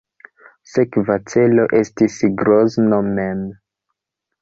Sekva celo estis Grozno mem.